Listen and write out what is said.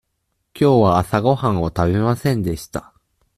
きょうは朝ごはんを食べませんでした。